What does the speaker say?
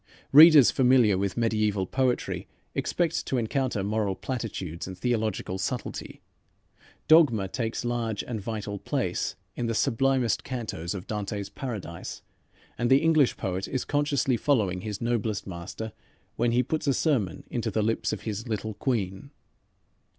Readers familiar with mediæval poetry expect to encounter moral platitudes and theological subtlety. Dogma takes large and vital place in the sublimest cantos of Dante's "Paradise," and the English poet is consciously following his noblest master when he puts a sermon into the lips of his "little queen."